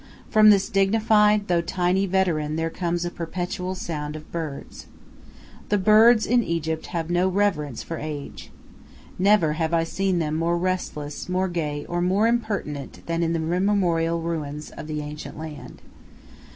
From this dignified, though tiny, veteran there comes a perpetual sound of birds. The birds in Egypt have no reverence for age. Never have I seen them more restless, more gay, or more impertinent, than in the immemorial ruins of the ancient land.